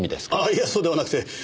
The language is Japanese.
いやそうではなくて。